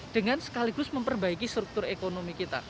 dengan sekaligus memperbaiki struktur ekonomi kita